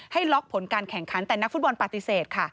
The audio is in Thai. ล็อกผลการแข่งขันแต่นักฟุตบอลปฏิเสธค่ะ